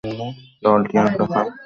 দলটি ঢাকা আবাহনীর ক্রিকেট দল।